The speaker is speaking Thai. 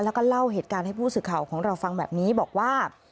แล้วก็เล่าเหตุการณ์ให้ผู้สื่อข่าวของเราฟังแบบนี้บอกว่า